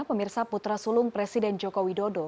pemirsa putra sulung presiden joko widodo